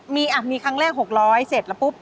มีมีครั้งแรก๖๐๐เสร็จแล้วปุ๊บ